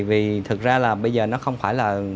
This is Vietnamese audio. vì thực ra là bây giờ nó không phải là